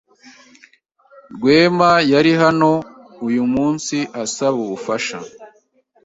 Rwema yari hano uyu munsi asaba ubufasha.